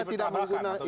membentuk tim tersendiri